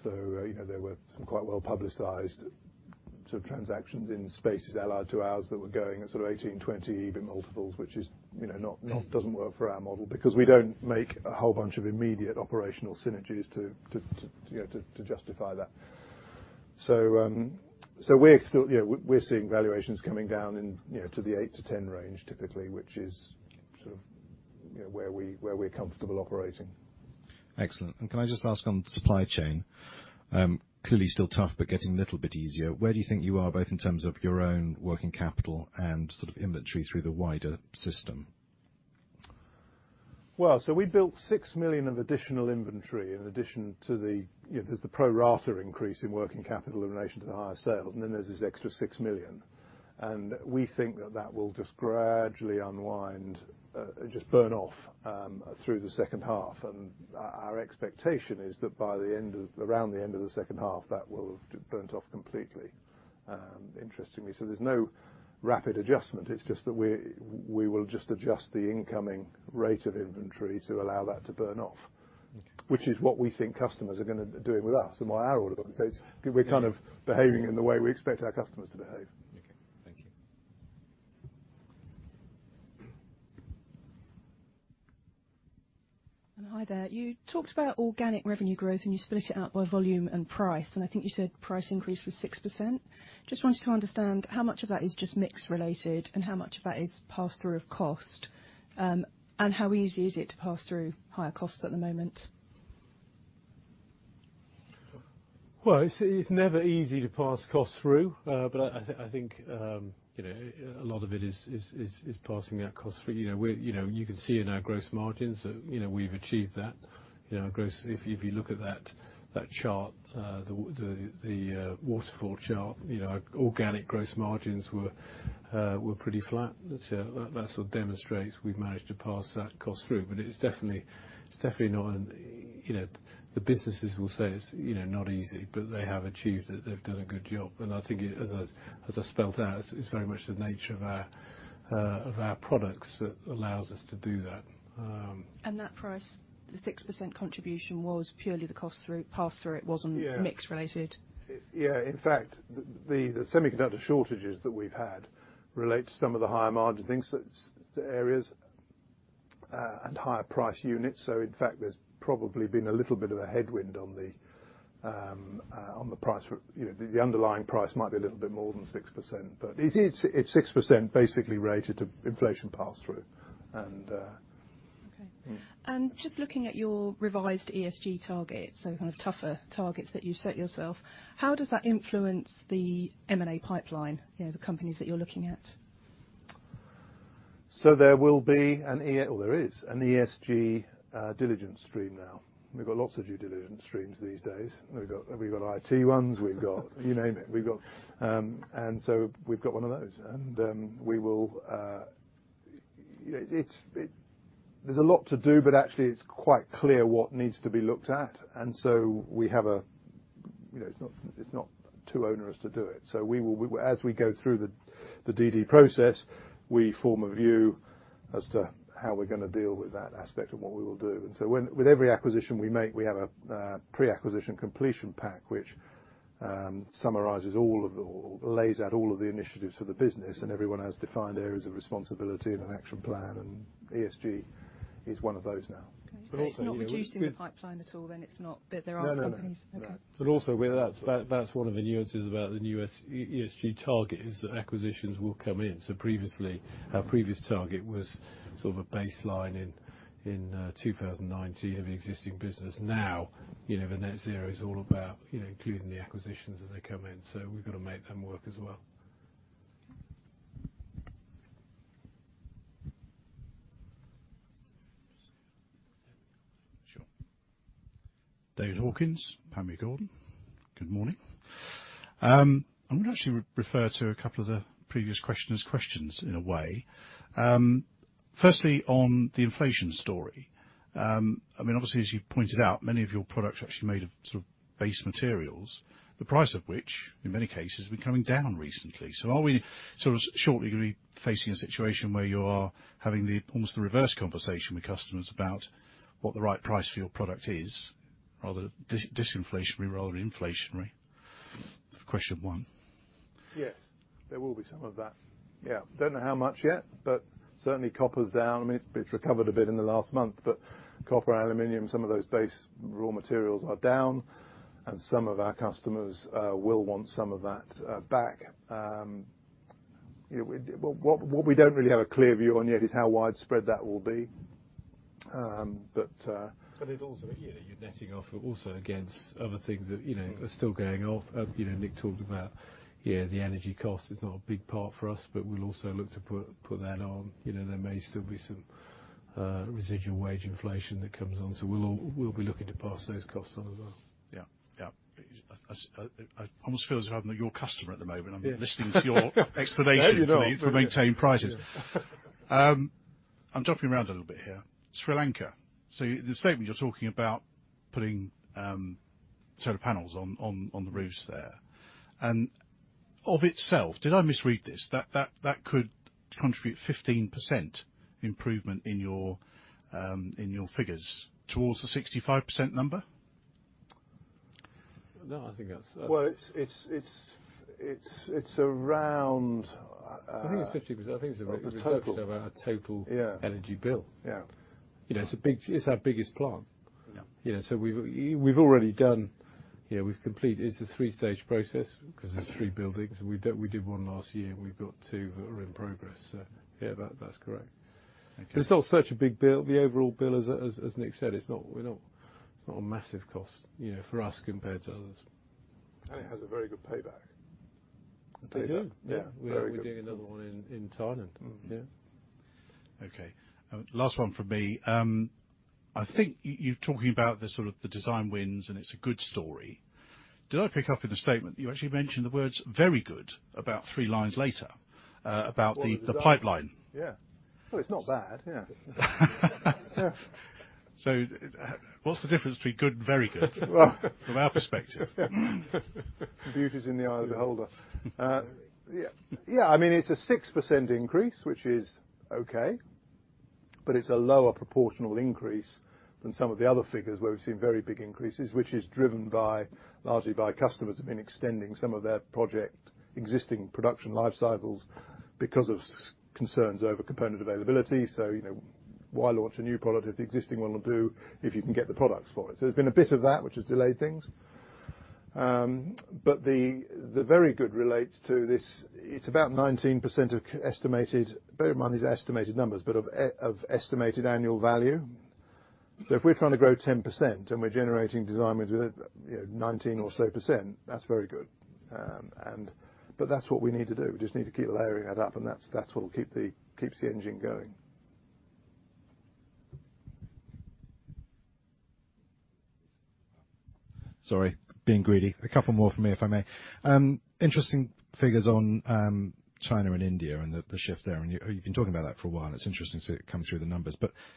[SPEAKER 2] You know, there were some quite well-publicized sort of transactions in spaces allied to ours that were going at sort of 18, 20, even multiples, which is, you know, not.
[SPEAKER 5] Yeah.
[SPEAKER 2] Doesn't work for our model because we don't make a whole bunch of immediate operational synergies to, you know, justify that. We're still. You know, we're seeing valuations coming down in, you know, to the 8-10 range typically, which is sort of, you know, where we're comfortable operating.
[SPEAKER 5] Excellent. Can I just ask on supply chain, clearly still tough, but getting a little bit easier. Where do you think you are both in terms of your own working capital and sort of inventory through the wider system?
[SPEAKER 2] We built 6 million of additional inventory in addition to the. You know, there's the pro rata increase in working capital in relation to the higher sales, and then there's this extra 6 million. We think that that will just gradually unwind, just burn off, through the second half. Our expectation is that around the end of the second half, that will have burnt off completely, interestingly. There's no rapid adjustment. It's just that we will just adjust the incoming rate of inventory to allow that to burn off.
[SPEAKER 5] Okay.
[SPEAKER 2] Which is what we think customers are doing with us and what our order book says. We're kind of behaving in the way we expect our customers to behave.
[SPEAKER 5] Okay. Thank you.
[SPEAKER 6] Hi there. You talked about organic revenue growth, and you split it out by volume and price, and I think you said price increase was 6%. Just wanted to understand how much of that is just mix related and how much of that is pass-through of cost. How easy is it to pass through higher costs at the moment?
[SPEAKER 2] Well, it's never easy to pass costs through, but I think, you know, a lot of it is passing our costs through. You know, we're, you know, you can see in our gross margins that, you know, we've achieved that. You know, gross, if you look at that chart, the waterfall chart, you know, our organic gross margins were pretty flat. That sort of demonstrates we've managed to pass that cost through. It is definitely, it's definitely not, you know, the businesses will say it's, you know, not easy, but they have achieved it. They've done a good job. I think it, as I spelt out, it's very much the nature of our products that allows us to do that.
[SPEAKER 6] That price, the 6% contribution was purely the cost through, pass-through.
[SPEAKER 2] Yeah.
[SPEAKER 6] Mix related?
[SPEAKER 2] Yeah. In fact, the semiconductor shortages that we've had relate to some of the higher margin things, so it's the areas, and higher priced units. In fact, there's probably been a little bit of a headwind on the price for, you know, the underlying price might be a little bit more than 6%, but it is, it's 6% basically related to inflation pass-through.
[SPEAKER 6] Okay.
[SPEAKER 2] Yeah.
[SPEAKER 6] Just looking at your revised ESG targets, so the kind of tougher targets that you've set yourself, how does that influence the M&A pipeline, you know, the companies that you're looking at?
[SPEAKER 2] Well, there is an ESG diligence stream now. We've got lots of due diligence streams these days. We've got IT ones, we've got you name it, we've got. We've got one of those and we will. You know, there's a lot to do, but actually it's quite clear what needs to be looked at. We have a, you know, it's not too onerous to do it. We, as we go through the DD process, we form a view as to how we're gonna deal with that aspect and what we will do. When, with every acquisition we make, we have a pre-acquisition completion pack, which summarizes all of the, or lays out all of the initiatives for the business, and everyone has defined areas of responsibility and an action plan, and ESG is one of those now.
[SPEAKER 6] Okay.
[SPEAKER 2] Also, you know.
[SPEAKER 6] It's not reducing the pipeline at all then, it's not. There are companies.
[SPEAKER 2] No, no.
[SPEAKER 6] Okay.
[SPEAKER 2] No.
[SPEAKER 3] Also where that's one of the nuances about the new S-ESG target is that acquisitions will come in. Previously, our previous target was sort of a baseline in 2019 of the existing business. You know, the net zero is all about, you know, including the acquisitions as they come in. We've gotta make them work as well.
[SPEAKER 6] Okay.
[SPEAKER 7] Sure. David Hawkins, Panmure Gordon. Good morning. I'm gonna actually re-refer to a couple of the previous questioner's questions in a way. Firstly, on the inflation story, I mean, obviously, as you pointed out, many of your products are actually made of sort of base materials, the price of which, in many cases, have been coming down recently. Are we sort of shortly gonna be facing a situation where you are having the, almost the reverse conversation with customers about what the right price for your product is, rather, disinflationary rather than inflationary? Question one.
[SPEAKER 2] Yes, there will be some of that. Yeah. Don't know how much yet. Certainly copper's down. I mean, it's recovered a bit in the last month. Copper, aluminum, some of those base raw materials are down, and some of our customers will want some of that back. You know, what we don't really have a clear view on yet is how widespread that will be.
[SPEAKER 3] It also, you know, you're netting off also against other things that, you know, are still going off. You know, Nick talked about, yeah, the energy cost is not a big part for us, but we'll also look to put that on. You know, there may still be some residual wage inflation that comes on, so we'll be looking to pass those costs on as well.
[SPEAKER 7] Yeah. Yeah. I almost feel as though I'm your customer at the moment.
[SPEAKER 2] Yeah.
[SPEAKER 7] I'm listening to your explanation.
[SPEAKER 2] No, you're not.
[SPEAKER 7] For maintaining prices.
[SPEAKER 2] Yeah.
[SPEAKER 7] I'm jumping around a little bit here. Sri Lanka. In the statement, you're talking about putting solar panels on the roofs there. In of itself, did I misread this? That could contribute 15% improvement in your figures towards the 65% number?
[SPEAKER 3] No, I think that's.
[SPEAKER 2] Well, it's around.
[SPEAKER 3] I think it's 50%. I think it's.
[SPEAKER 2] Of .total
[SPEAKER 3] Percentage of our.
[SPEAKER 2] Yeah
[SPEAKER 3] energy bill.
[SPEAKER 2] Yeah.
[SPEAKER 3] You know, it's a big, it's our biggest plant.
[SPEAKER 7] Yeah.
[SPEAKER 3] You know, we've already done, you know, we've completed. It's a three-stage process.
[SPEAKER 7] Okay.
[SPEAKER 3] Cause it's three buildings, and we did, we did one last year, and we've got two that are in progress. Yeah, that's correct.
[SPEAKER 7] Thank you.
[SPEAKER 3] It's not such a big bill. The overall bill, as Nick said, it's not a massive cost, you know, for us compared to others.
[SPEAKER 2] It has a very good payback.
[SPEAKER 3] They do.
[SPEAKER 2] Yeah. Very good.
[SPEAKER 3] We're doing another one in Thailand.
[SPEAKER 2] Mm-hmm.
[SPEAKER 3] Yeah.
[SPEAKER 7] Okay. Last one from me. I think you talking about the sort of the design wins and it's a good story. Did I pick up in the statement that you actually mentioned the words very good about three lines later, about the-?
[SPEAKER 2] What was that?
[SPEAKER 7] The pipeline?
[SPEAKER 2] Yeah. Well, it's not bad. Yeah. Yeah.
[SPEAKER 7] What's the difference between good and very good?
[SPEAKER 2] Well.
[SPEAKER 7] From our perspective?
[SPEAKER 2] Beauty's in the eye of the beholder. Yeah, I mean, it's a 6% increase, which is okay, but it's a lower proportional increase than some of the other figures where we've seen very big increases, which is driven by, largely by customers have been extending some of their project existing production life cycles because of concerns over component availability. You know, why launch a new product if the existing one will do, if you can get the products for it? There's been a bit of that which has delayed things. But the very good relates to this, it's about 19% of estimated, bear in mind these are estimated numbers, but of estimated annual value. If we're trying to grow 10% and we're generating design wins with, you know, 19 or so %, that's very good. But that's what we need to do. We just need to keep layering that up and that's what'll keep the engine going.
[SPEAKER 7] Sorry, being greedy. A couple more from me, if I may. Interesting figures on China and India and the shift there, and you've been talking about that for a while and it's interesting to see it come through the numbers.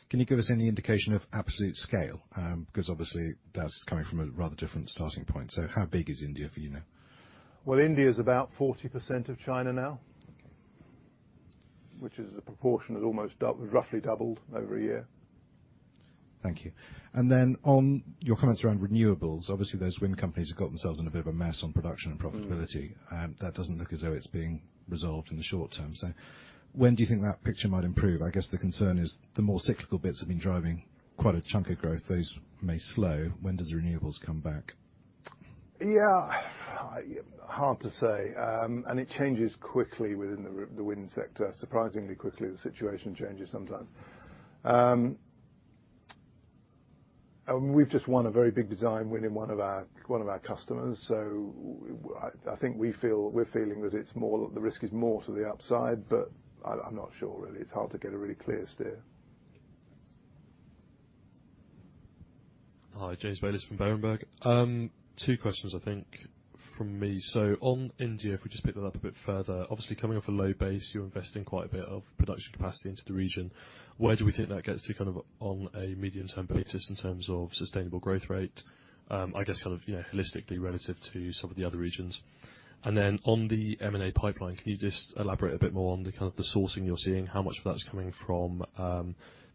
[SPEAKER 7] Can you give us any indication of absolute scale? Because obviously, that's coming from a rather different starting point, so how big is India for you now?
[SPEAKER 2] Well, India's about 40% of China now.
[SPEAKER 7] Okay.
[SPEAKER 2] Which is a proportion that almost roughly doubled over a year.
[SPEAKER 7] Thank you. On your comments around renewables, obviously, those wind companies have got themselves in a bit of a mess on production and profitability.
[SPEAKER 2] Mm.
[SPEAKER 7] That doesn't look as though it's being resolved in the short term. When do you think that picture might improve? I guess the concern is the more cyclical bits have been driving quite a chunk of growth. Those may slow. When does renewables come back?
[SPEAKER 2] Yeah. Hard to say. It changes quickly within the wind sector, surprisingly quickly the situation changes sometimes. We've just won a very big design win in one of our customers, we're feeling that it's more, the risk is more to the upside, but I'm not sure really. It's hard to get a really clear steer.
[SPEAKER 7] Okay, thanks.
[SPEAKER 8] Hi, James Bayliss from Berenberg. Two questions I think from me. On India, if we just pick that up a bit further, obviously coming off a low base, you're investing quite a bit of production capacity into the region. Where do we think that gets to kind of on a medium-term basis in terms of sustainable growth rate? I guess kind of, you know, holistically relative to some of the other regions. On the M&A pipeline, can you just elaborate a bit more on the kind of the sourcing you're seeing? How much of that's coming from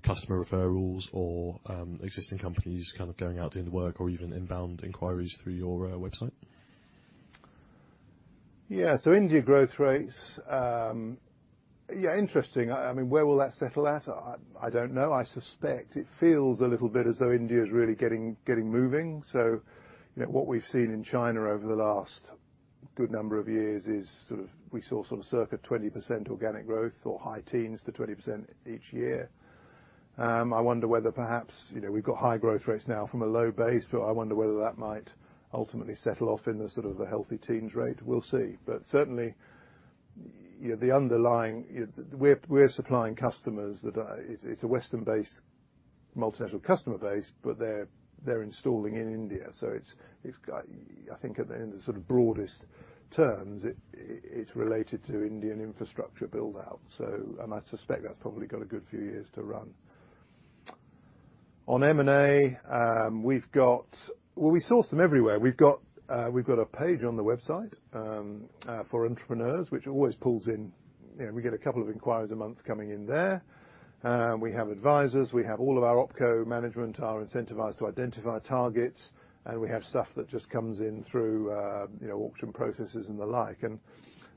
[SPEAKER 8] customer referrals or existing companies kind of going out doing the work or even inbound inquiries through your website?
[SPEAKER 2] Yeah. India growth rates, yeah, interesting. I mean, where will that settle at? I don't know. I suspect it feels a little bit as though India is really getting moving. You know, what we've seen in China over the last good number of years is sort of we saw sort of circa 20% organic growth or high teens to 20% each year. I wonder whether perhaps, you know, we've got high growth rates now from a low base, but I wonder whether that might ultimately settle off in the sort of the healthy teens rate. We'll see. Certainly, you know, the underlying, we're supplying customers that are. It's a Western-based multinational customer base, but they're installing in India, it's got, I think in the sort of broadest terms, it's related to Indian infrastructure build-out. I suspect that's probably got a good few years to run. On M&A, well, we source them everywhere. We've got a page on the website for entrepreneurs, which always pulls in, you know, we get a couple of inquiries a month coming in there. We have advisors, we have all of our opco management are incentivized to identify targets, we have stuff that just comes in through, you know, auction processes and the like.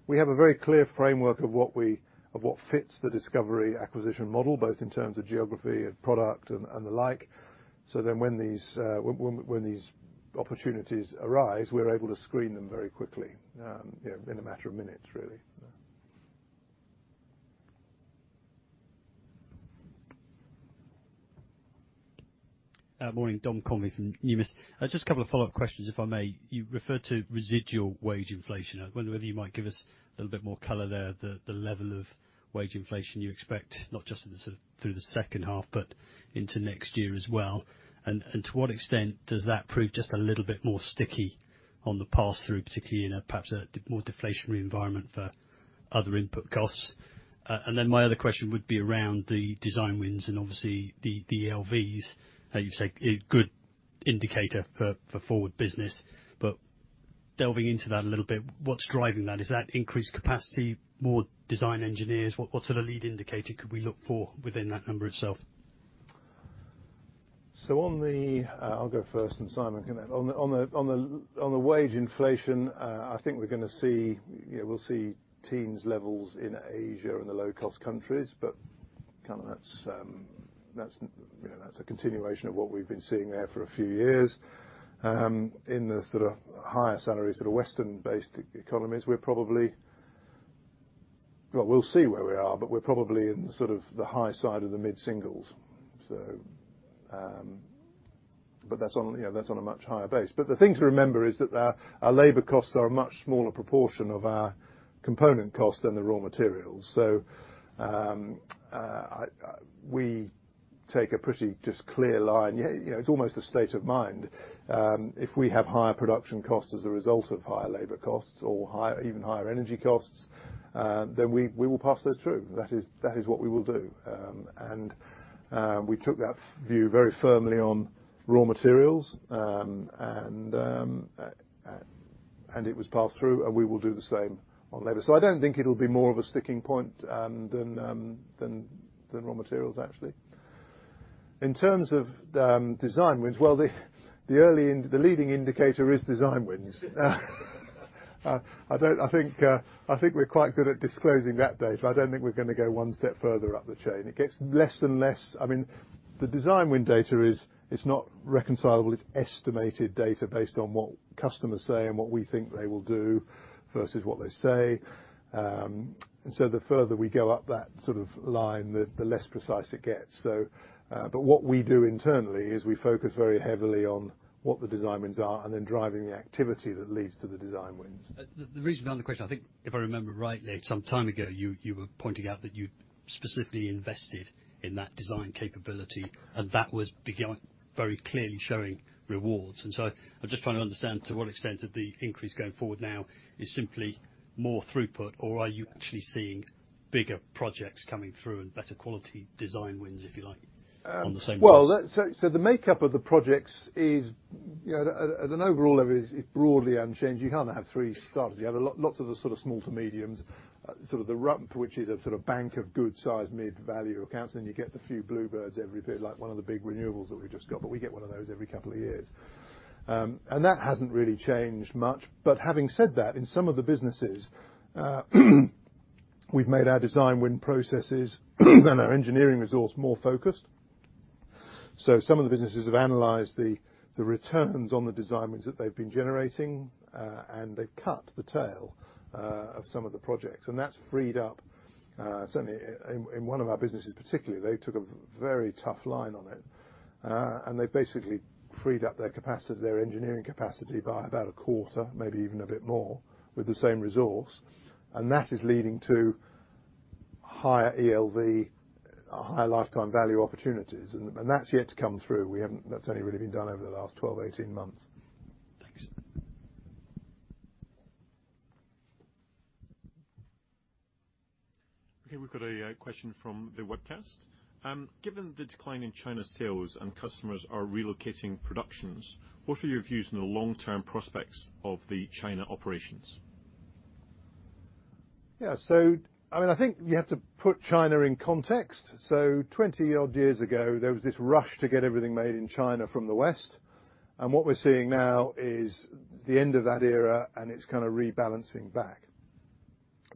[SPEAKER 2] We have a very clear framework of what fits the discoverIE acquisition model, both in terms of geography and product and the like. When these opportunities arise, we're able to screen them very quickly, you know, in a matter of minutes really. Yeah.
[SPEAKER 9] Morning. Dom Convey from Numis. Just a couple of follow-up questions, if I may. You referred to residual wage inflation. I wonder whether you might give us a little bit more color there, the level of wage inflation you expect, not just in the sort of through the second half but into next year as well. To what extent does that prove just a little bit more sticky on the pass-through, particularly in a perhaps a more deflationary environment for other input costs? Then my other question would be around the design wins and obviously the ELVs, how you say a good indicator for forward business. Delving into that a little bit, what's driving that? Is that increased capacity, more design engineers? What sort of lead indicator could we look for within that number itself?
[SPEAKER 2] On the, I'll go first and Simon can then. On the wage inflation, I think we're going to see, you know, we'll see teens levels in Asia and the low-cost countries, but kind of that's, you know, that's a continuation of what we've been seeing there for a few years. In the sort of higher salaries, sort of Western based e-economies, we're probably. Well, we'll see where we are, but we're probably in sort of the high side of the mid-singles. That's on, you know, that's on a much higher base. The thing to remember is that our labor costs are a much smaller proportion of our component cost than the raw materials. I, we take a pretty just clear line. Yeah, you know, it's almost a state of mind. If we have higher production costs as a result of higher labor costs or higher, even higher energy costs, we will pass those through. That is what we will do. We took that view very firmly on raw materials, and it was passed through and we will do the same on labor. I don't think it'll be more of a sticking point than raw materials actually. In terms of design wins, well, the early the leading indicator is design wins. I don't, I think, I think we're quite good at disclosing that data. I don't think we're gonna go one step further up the chain. It gets less and less. I mean, the design win data is, it's not reconcilable, it's estimated data based on what customers say and what we think they will do versus what they say. The further we go up that sort of line, the less precise it gets. What we do internally is we focus very heavily on what the design wins are and then driving the activity that leads to the design wins.
[SPEAKER 9] The reason behind the question, I think if I remember rightly, some time ago, you were pointing out that you specifically invested in that design capability, and that was very clearly showing rewards. I'm just trying to understand to what extent of the increase going forward now is simply more throughput, or are you actually seeing bigger projects coming through and better quality design wins, if you like, on the same wins?
[SPEAKER 2] The makeup of the projects is, you know, at an overall level is broadly unchanged. You can't have three starters. You have lots of the sort of small to mediums, sort of the rump which is a sort of bank of good size mid-value accounts, then you get the few bluebirds every bit like one of the big renewables that we just got, but we get one of those every couple of years. That hasn't really changed much. Having said that, in some of the businesses, we've made our design win processes and our engineering resource more focused. Some of the businesses have analyzed the returns on the design wins that they've been generating, and they've cut the tail of some of the projects. That's freed up, certainly in one of our businesses particularly, they took a very tough line on it. They basically freed up their capacity, their engineering capacity by about a quarter, maybe even a bit more, with the same resource. That is leading to higher ELV, higher lifetime value opportunities. That's yet to come through. We haven't. That's only really been done over the last 12 to 18 months.
[SPEAKER 9] Thanks.
[SPEAKER 10] Okay, we've got a question from the webcast. Given the decline in China sales and customers are relocating productions, what are your views on the long-term prospects of the China operations?
[SPEAKER 2] Yeah. I mean, I think you have to put China in context. 20-odd years ago, there was this rush to get everything made in China from the West. What we're seeing now is the end of that era, and it's kind of rebalancing back.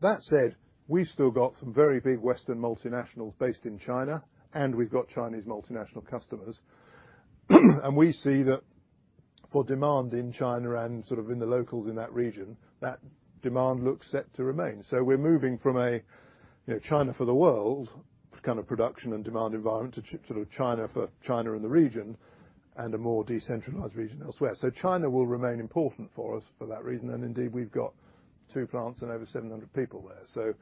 [SPEAKER 2] That said, we've still got some very big Western multinationals based in China, and we've got Chinese multinational customers. We see that for demand in China and sort of in the locals in that region, that demand looks set to remain. We're moving from a, you know, China for the world kind of production and demand environment to sort of China for China and the region and a more decentralized region elsewhere. China will remain important for us for that reason, and indeed, we've got two plants and over 700 people there.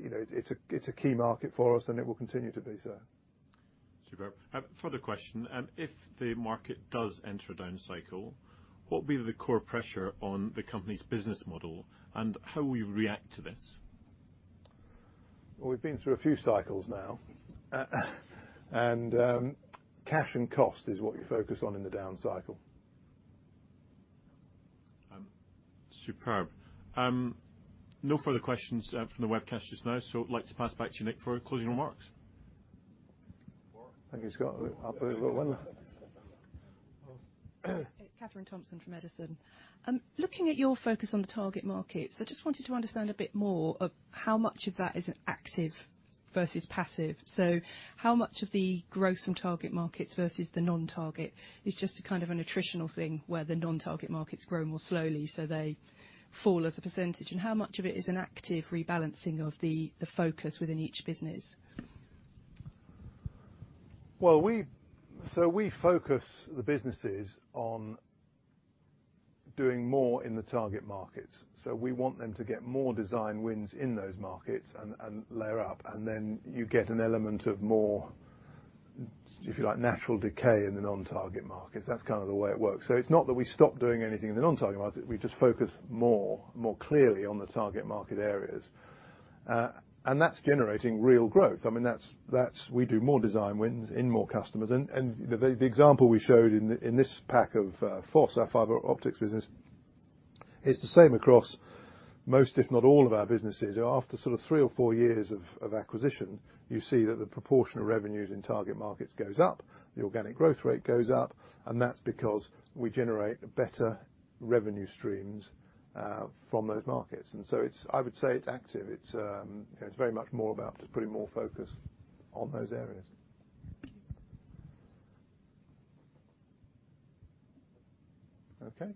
[SPEAKER 2] You know, it's a, it's a key market for us, and it will continue to be so.
[SPEAKER 10] Superb. A further question. If the market does enter a down cycle, what will be the core pressure on the company's business model, and how will you react to this?
[SPEAKER 2] Well, we've been through a few cycles now. Cash and cost is what you focus on in the down cycle.
[SPEAKER 10] Superb. No further questions, from the webcast just now. I'd like to pass back to you, Nick, for our closing remarks.
[SPEAKER 2] Thank you, Scott. I believe we've got one.
[SPEAKER 11] Katherine Thompson from Edison. Looking at your focus on the target markets, I just wanted to understand a bit more of how much of that is active versus passive. How much of the growth from target markets versus the non-target is just a kind of an attritional thing where the non-target markets grow more slowly, so they fall as a percentage? How much of it is an active rebalancing of the focus within each business?
[SPEAKER 2] Well, we focus the businesses on doing more in the target markets. We want them to get more design wins in those markets and layer up, and then you get an element of more, if you like, natural decay in the non-target markets. That's kind of the way it works. It's not that we stop doing anything in the non-target markets. We just focus more clearly on the target market areas. That's generating real growth. I mean, that's we do more design wins in more customers. The example we showed in this pack of FOSS, our fiber optics business, is the same across most, if not all, of our businesses. After sort of three or four years of acquisition, you see that the proportion of revenues in target markets goes up, the organic growth rate goes up, and that's because we generate better revenue streams from those markets. I would say it's active. It's, you know, it's very much more about just putting more focus on those areas.
[SPEAKER 11] Thank you.
[SPEAKER 2] Okay.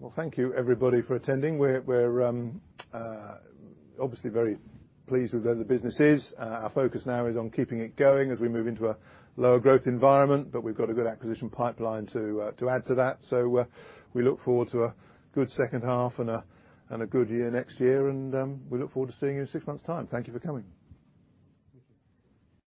[SPEAKER 2] Well, thank you, everybody, for attending. We're obviously very pleased with the way the business is. Our focus now is on keeping it going as we move into a lower growth environment. We've got a good acquisition pipeline to add to that. We look forward to a good second half and a good year next year. We look forward to seeing you in six months' time. Thank you for coming.
[SPEAKER 10] Thank you.